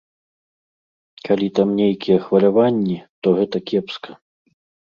Калі так нейкія хваляванні, то гэта кепска.